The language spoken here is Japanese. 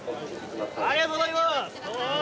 ありがとうございますどうも！